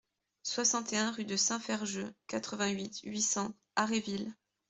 soixante et un rue de Saint-Ferjeux, quatre-vingt-huit, huit cents, Haréville